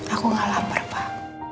aku gak lapar pak